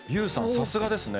さすがですね